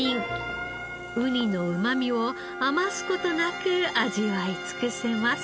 ウニのうまみを余す事なく味わい尽くせます。